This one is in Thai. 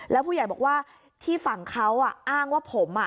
แล้วผู้ใหญ่บอกว่าที่ฝั่งเขาอ้างว่าผม